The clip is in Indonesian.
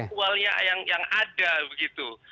pasang ualnya yang ada begitu